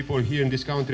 orang orang di sini